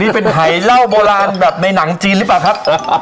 นี่เป็นหายเหล้าโบราณในหนังจีนรึเปล่าครับ